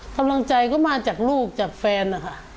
กำลังใจก็มาจากลูกจากแฟนนะคะ